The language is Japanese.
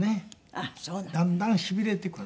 だんだん痺れてくる。